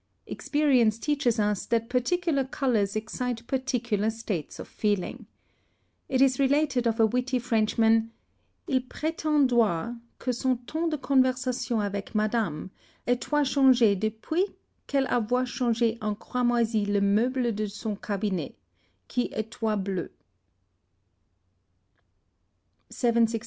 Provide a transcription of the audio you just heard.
Experience teaches us that particular colours excite particular states of feeling. It is related of a witty Frenchman, "Il prétendoit que son ton de conversation avec Madame étoit changé depuis qu'elle avoit changé en cramoisi le meuble de son cabinet, qui étoit bleu." 763.